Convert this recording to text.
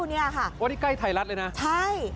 นี่ใกล้ไทรรัฐเลยนะใช่